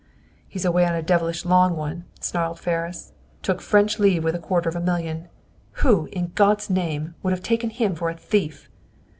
"He's away on a devilish long one!" snarled Ferris. "Took French leave with a quarter of a million. Who, in God's name, would have taken him for a thief!"